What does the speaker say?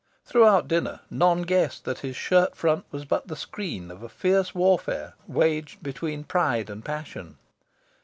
Throughout dinner, none guessed that his shirt front was but the screen of a fierce warfare waged between pride and passion.